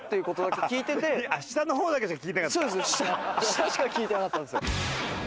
下しか聞いてなかったんですよ。